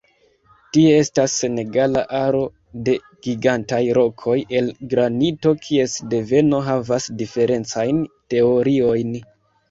Tie estas senegala aro de gigantaj rokoj el granito kies deveno havas diferencajn teoriojn.